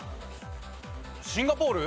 シンガポール？